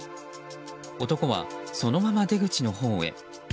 男は、そのまま出口のほうへ。